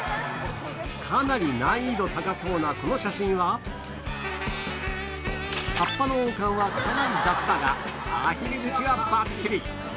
かなり難易度高そうなこの写真は葉っぱの王冠はかなり雑だがアヒル口はバッチリ！